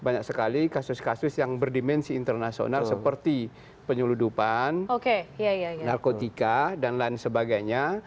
banyak sekali kasus kasus yang berdimensi internasional seperti penyeludupan narkotika dan lain sebagainya